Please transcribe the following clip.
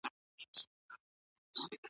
کشکي دېغت نه وای .